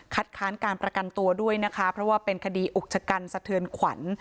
ค้านการประกันตัวด้วยนะคะเพราะว่าเป็นคดีอุกชะกันสะเทือนขวัญ